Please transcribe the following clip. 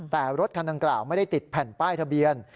แต่รถคันดังกล่าวไม่ได้ติดแผ่นป้ายทะเบียน